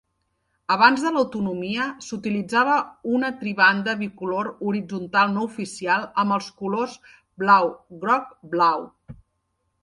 Abans de l'autonomia, s'utilitzava una tribanda bicolor horitzontal no oficial amb els colors blau-groc-blau.